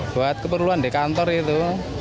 buat keperluan di kantor itu